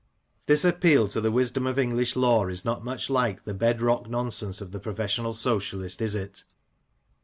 This appeal to the wisdom of English law is not much like the "bed rock" nonsense of the professional Socialist, is it